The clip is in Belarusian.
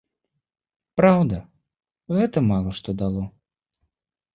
Праўда, гэта мала што дало.